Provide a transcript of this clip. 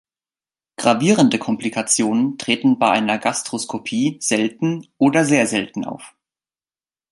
Gravierende Komplikationen treten bei einer Gastroskopie selten oder sehr selten auf.